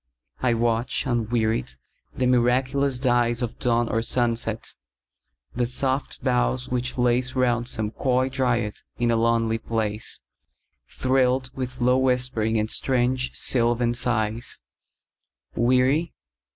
I watch, unwearied, the miraculous dyesOf dawn or sunset; the soft boughs which laceRound some coy dryad in a lonely place, Thrilled with low whispering and strange sylvan sighs:Weary?